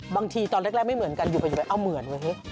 บางทีตอนแรกไม่เหมือนกันอยู่ไปเอาเหมือนเว้ย